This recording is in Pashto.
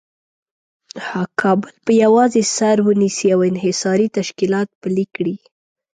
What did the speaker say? کابل په یوازې سر ونیسي او انحصاري تشکیلات پلي کړي.